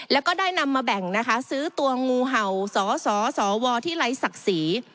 แล้วก็ได้นำมาแบ่งนะคะซื้อตัวงูเห่าสสวที่ไร้ศักดิ์ศรี